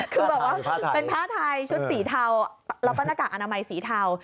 คือบอกว่าเป็นผ้าไทยชุดสีเทาแล้วก็หน้ากากอนามัยสีเทา